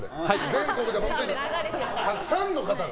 全国でたくさんの方が。